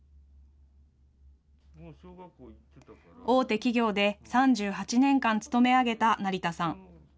大手企業で３８年間勤め上げた成田さん。